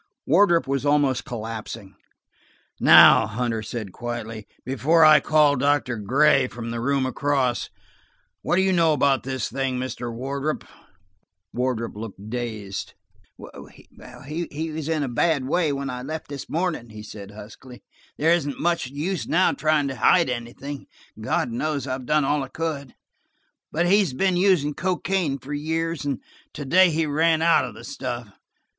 Wardrop was almost collapsing. "Now," Hunter said quietly, "before I call in Doctor Gray from the room across, what do you know about this thing, Mr. Wardrop ?" Wardrop looked dazed. We three stood staring at the prostrate figure. "He was in a bad way when I left this morning," he said huskily. "There isn't much use now trying to hide anything; God knows I've done all I could. But he has been using cocaine for years, and to day he ran out of the stuff.